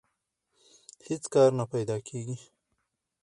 هېڅ کار نه پیدا کېږي